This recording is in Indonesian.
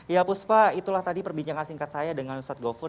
ya puspa itulah tadi perbincangan singkat saya dengan ustadz gofur